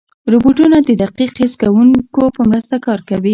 روبوټونه د دقیق حس کوونکو په مرسته کار کوي.